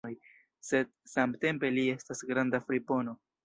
Sed samtempe li estas granda fripono!